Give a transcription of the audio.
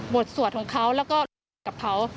บวชสวรรค์ของเขาแล้วก็กับเขา